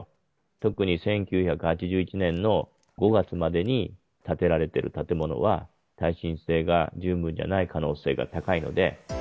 特に１９８１年の５月までに建てられている建物は、耐震性が十分じゃない可能性が高いので。